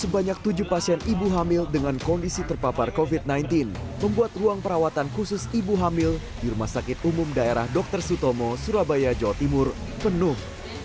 sebanyak tujuh pasien ibu hamil dengan kondisi terpapar covid sembilan belas membuat ruang perawatan khusus ibu hamil di rumah sakit umum daerah dr sutomo surabaya jawa timur penuh